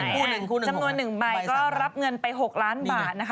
๑ใบจำนวน๑ใบก็รับเงินไป๖ล้านบาท